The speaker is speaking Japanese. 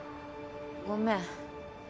ごめん。